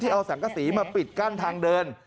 ที่เอาแสงกะสีมาปิดกั้นทางเดิน